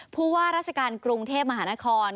ผู้ว่าราชการกรุงเทพมหานคร